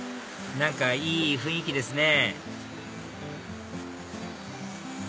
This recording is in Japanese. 何かいい雰囲気ですね